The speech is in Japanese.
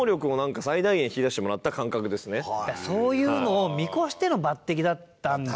そういうのを見越しての抜擢だったんじゃ。